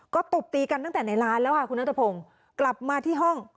ก็ตบตีกันตั้งแต่ในร้านแล้วค่ะคุณนัทพงศ์กลับมาที่ห้อง